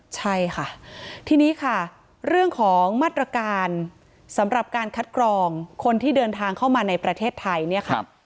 ใช่ค่ะทีนี้ค่ะเรื่องของมาตรการสำหรับการคัดกรองคนที่เดินทางเข้ามาในประเทศไทยเนี่ยครับ